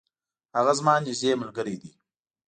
هغه زما نیږدي ملګری دی.